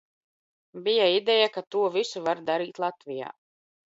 Bija ideja, ka to visu var darīt Latvijā.